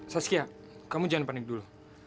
saskia kamu jangan panik dulu